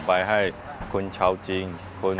pembangunan durian ekspor